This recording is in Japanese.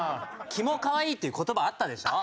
「キモかわいい」っていう言葉あったでしょ？